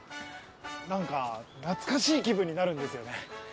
なんか懐かしい気分になるんですよね。